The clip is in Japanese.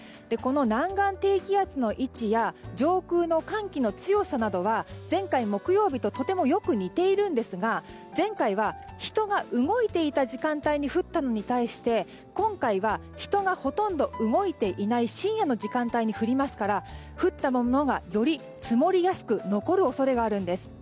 この南岸低気圧の位置や上空の寒気の強さなどは前回木曜日ととてもよく似ているんですが前回は、人が動いていた時間帯に降ったのに対して今回は人がほとんど動いていない深夜の時間帯に降りますから降ったものがより積もりやすく残る恐れがあるんです。